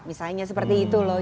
misalnya seperti itu loh